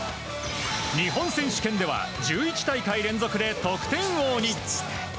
日本選手権では１１大会連続で得点王に。